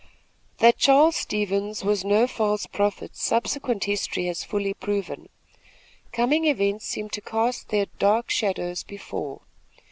That Charles Stevens was no false prophet, subsequent history has fully proven. Coming events seemed to cast their dark shadows before.